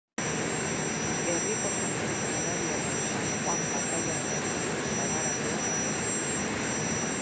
Herriko santu zaindaria den San Joan Bataiatzaileari sagaratua dago.